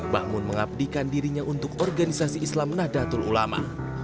bahmun mengabdikan dirinya untuk organisasi islam nahdlatul ulama